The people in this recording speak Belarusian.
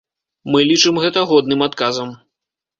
Мы лічым гэта годным адказам.